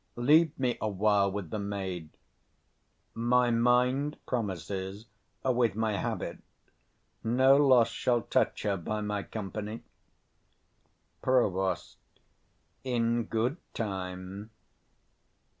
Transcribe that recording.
Leave me awhile with the maid: my mind promises with my habit no loss shall touch her by my company. Prov. In good time.